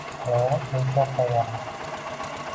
Yalang'och, yumshoq va yog'li